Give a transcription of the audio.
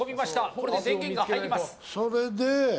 これで電源が入ります。